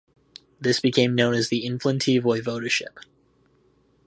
This became known as the Inflanty Voivodeship.